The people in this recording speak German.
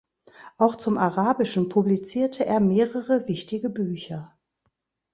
Auch zum Arabischen publizierte er mehrere wichtige Bücher.